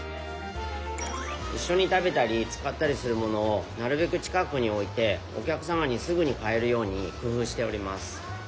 いっしょに食べたり使ったりする物をなるべく近くにおいてお客さまにすぐに買えるようにくふうしております。